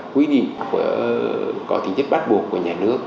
quy định có tính chất bắt buộc của nhà nước